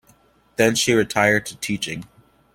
Then she retired to teaching.